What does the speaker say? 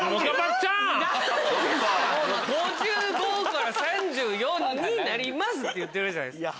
５５から３４になりますって言ってるんじゃないですか。